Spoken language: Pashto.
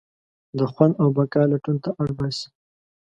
د خوند او بقا لټون ته اړباسي.